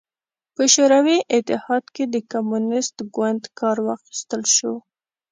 په شوروي اتحاد کې د کمونېست ګوند کار واخیستل شو.